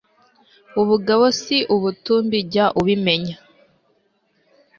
ubugabo si ubutumbi jya ubimenya